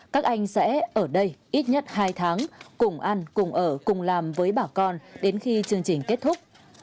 các anh sẽ ở đây ít nhất hai tháng cùng ăn cùng ở cùng làm với bà con đến khi chương trình kết thúc